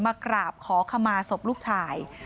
มากราบขอขมาศพลูกชาย